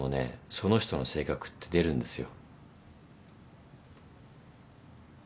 その人の性格って出るんですよ。